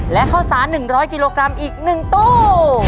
และข้าวสาร๑๐๐กิโลกรัมอีก๑ตู้